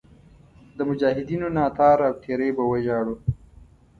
د مجاهدینو ناتار او تېری به وژاړو.